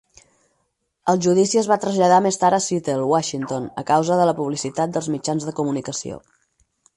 El judici es va traslladar més tard a Seattle, Washington, a causa de la publicitat dels mitjans de comunicació.